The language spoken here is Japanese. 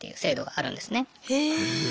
へえ。